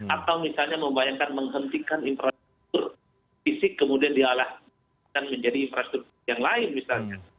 atau misalnya membayangkan menghentikan infrastruktur fisik kemudian dialahkan menjadi infrastruktur yang lain misalnya